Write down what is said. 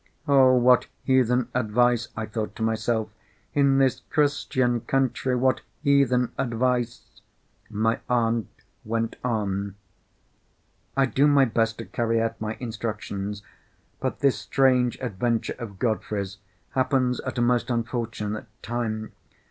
"Oh, what heathen advice!" I thought to myself. "In this Christian country, what heathen advice!" My aunt went on, "I do my best to carry out my instructions. But this strange adventure of Godfrey's happens at a most unfortunate time.